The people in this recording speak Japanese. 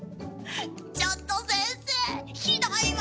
ちょっと先生ひどいわ。